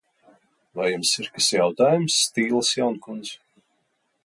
Vai jums ir kas jautājams, Stīlas jaunkundz?